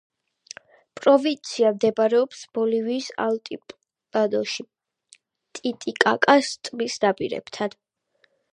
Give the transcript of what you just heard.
პროვინცია მდებარეობს ბოლივიის ალტიპლანოში, ტიტიკაკას ტბის ნაპირებთან.